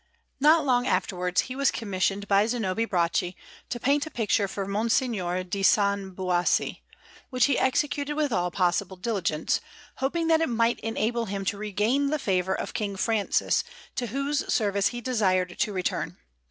Not long afterwards he was commissioned by Zanobi Bracci to paint a picture for Monsignore di San Biause, which he executed with all possible diligence, hoping that it might enable him to regain the favour of King Francis, to whose service he desired to return.